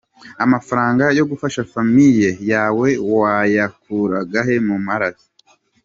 Amafranga yogufasha family yawe wayakuragahe mumaraso?